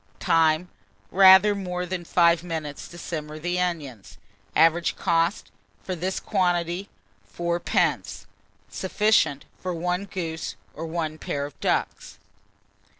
Time. Rather more than 5 minutes to simmer the onions. Average cost, for this quantity, 4d. Sufficient for 1 goose, or a pair of ducks.